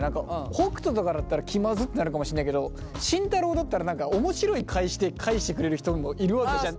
北斗とかだったら「気まず」ってなるかもしんないけど慎太郎だったら何か面白い返しで返してくれる人もいるわけじゃない。